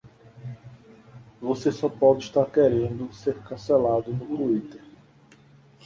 Você só pode estar querendo ser cancelado no Twitter